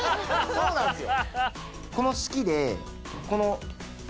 そうなんすよ。